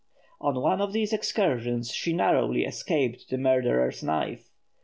On one of these excursions she narrowly escaped the murderer's knife.